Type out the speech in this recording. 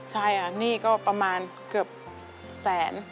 ใช่นี่ก็ประมาณเกือบแสน